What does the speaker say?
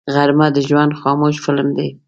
غرمه د ژوند خاموش فلم دی